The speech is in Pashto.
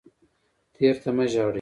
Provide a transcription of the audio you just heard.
تیر ته مه ژاړئ